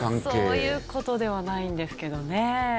そういう事ではないんですけどね。